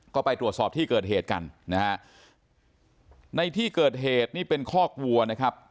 ก็ไปตรวจสอบที่เกิดเหตุกันนะฮะในที่เกิดเหตุนี่เป็นคอกวัวนะครับ